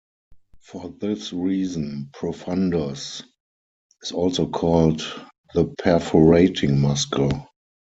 For this reason profundus is also called the "perforating muscle".